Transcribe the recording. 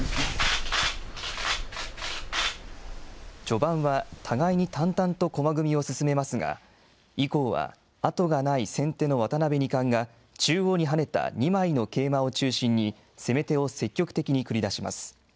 序盤は、互いに淡々と駒組みを進めますが、以降はあとがない先手の渡辺二冠が、中央に跳ねた２枚の桂馬を中心に、攻め手を積極的に繰り出します。